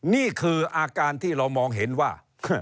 นี่คืออาการที่เรามองเห็นว่า